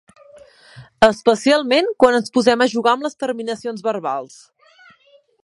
Especialment quan ens posem a jugar amb les terminacions verbals.